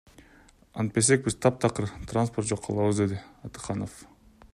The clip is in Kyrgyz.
Антпесек биз таптакыр транспорт жок калабыз, — деди Атыканов.